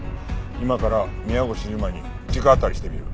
今から宮越優真に直当たりしてみる。